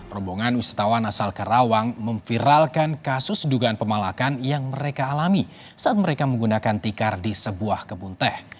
rombongan wisatawan asal karawang memviralkan kasus dugaan pemalakan yang mereka alami saat mereka menggunakan tikar di sebuah kebun teh